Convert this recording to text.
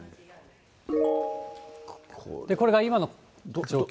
これが今の状況。